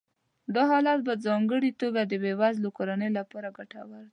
دا حالت په ځانګړې توګه د بې وزله کورنیو لپاره ګټور دی